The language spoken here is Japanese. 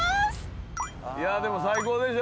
でも最高でしょ。